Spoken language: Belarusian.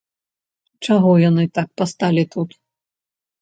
Чаго яны так пасталі тут?